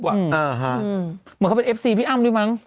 เหมือนเขาเป็นเอฟซีพี่อ้ำด้วยมั้ง